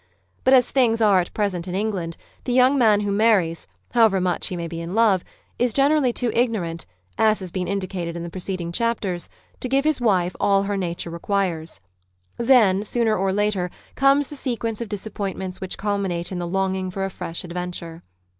But as things are at present in England, the youno man who marries, however much he may be in love^ IS generally too ignorant (as has been indicated in the preceding chapters) to give his wife all her nature requires. Then, sooner or later, comes the sequence of disappointments which culminate in the longing for a fresh adventure.